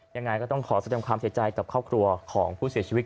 ยังไงก็ต้องขอแสดงความเสียใจกับครอบครัวของผู้เสียชีวิต